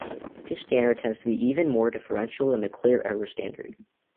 This standard tends to be even more deferential than the "clear error" standard.